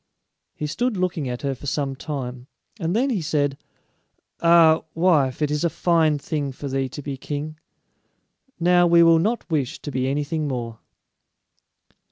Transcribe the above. He stood looking at her for some time, and then he said, "Ah, wife, it is a fine thing for thee to be king; now we will not wish to be anything more."